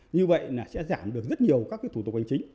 như vậy là sẽ giảm được rất nhiều các thủ tục hành chính